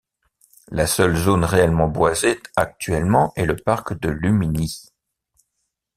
La seule zone réellement boisée actuellement est le parc de Luminy.